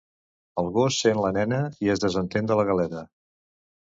El gos sent la nena i es desentén de la galeta.